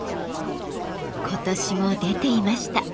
今年も出ていました。